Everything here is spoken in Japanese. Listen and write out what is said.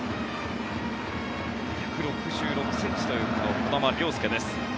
１６６ｃｍという児玉亮涼です。